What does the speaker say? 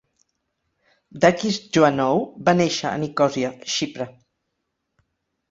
Dakis Joannou va néixer a Nicosia, Xipre.